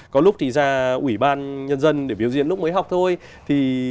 có lúc thì ra ủy ban nhân dân để biểu diễn lúc mới học thôi